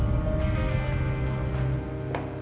aku berjuang untuk pasang gamb duplication